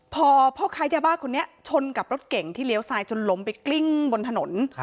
พอพ่อค้ายาบ้าคนนี้ชนกับรถเก่งที่เลี้ยวซ้ายจนล้มไปกลิ้งบนถนน